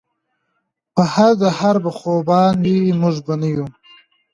پۀ هر دهر به خوبان وي مونږ به نۀ يو